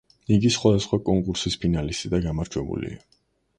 იგი სხვადასხვა კონკურსის ფინალისტი და გამარჯვებულია.